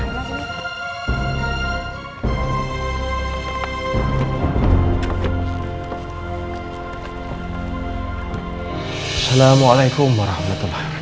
assalamualaikum warahmatullahi wabarakatuh